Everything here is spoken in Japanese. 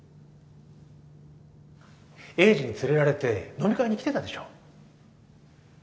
栄治に連れられて飲み会に来てたでしょ。